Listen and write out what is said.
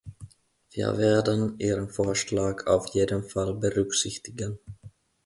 Wir werden Ihren Vorschlag auf jeden Fall berücksichtigen.